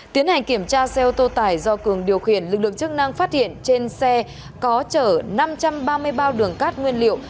tiến hành kiểm tra xe ô tô tải do cường điều khiển lực lượng chức năng phát hiện trên xe có chở năm trăm ba mươi bao đường cát nguyên liệu